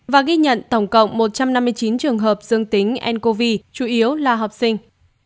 và ghi nhận tổng cộng một trăm năm mươi chín trường hợp dương tính ncov chủ yếu là học sinh